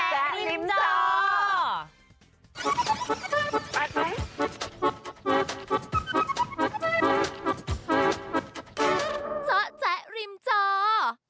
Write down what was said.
เจ้าแจ๊กริมเจ้า